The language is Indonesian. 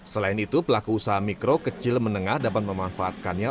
selain itu pelaku usaha mikro kecil menengah dapat memanfaatkannya